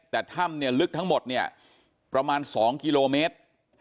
แต่ถ้ำเนี่ยลึกทั้งหมดเนี่ยประมาณ๒กิโลเมตร